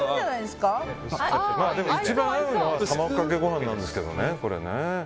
一番合うのは卵かけご飯なんですけどね。